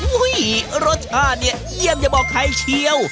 รสชาติเนี่ยเยี่ยมอย่าบอกใครเชียว